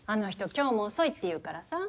今日も遅いっていうからさ。